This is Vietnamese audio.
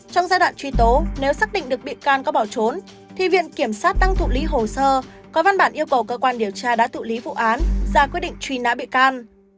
trong giai đoạn truy tố nếu xác định được bị can có bỏ trốn thì viện kiểm sát đang thụ lý hồ sơ có văn bản yêu cầu cơ quan điều tra đã thụ lý vụ án ra quyết định truy nã bị can